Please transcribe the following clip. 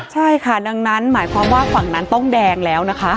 ใช่ค่ะดังนั้นหมายความว่าฝั่งนั้นต้องแดงแล้วนะคะ